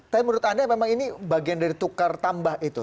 tapi menurut anda memang ini bagian dari tukar tambah itu